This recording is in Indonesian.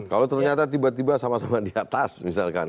kalau ternyata tiba tiba sama sama di atas misalkan